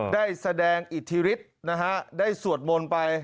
ได้แสดงอิทธิฤทธิ์นะฮะได้สวดมนต์ไป